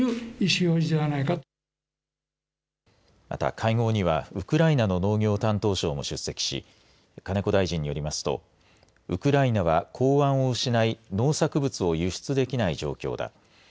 また会合にはウクライナの農業担当相も出席し金子大臣によりますとウクライナは法案を失い農作物を輸出できない状況だ。